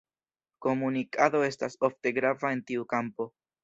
Komunikado estas ofte grava en tiu kampo.